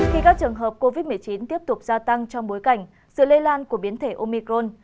khi các trường hợp covid một mươi chín tiếp tục gia tăng trong bối cảnh sự lây lan của biến thể omicron